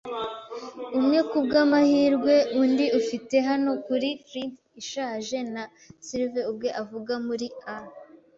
umwe "Kubwamahirwe," undi ufite "Hano kuri Flint ishaje," na Silver ubwe avuga, muri a